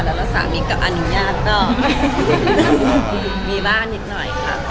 และสามีไม่ได้น่ะ